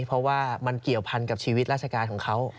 เพราะว่ามันเกี่ยวพันกับชีวิตราชการของเขา